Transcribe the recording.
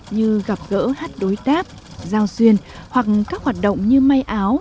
như gặp gỡ hát đối tác giao duyên hoặc các hoạt động như may áo